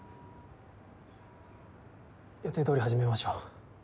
予定通り始めましょう。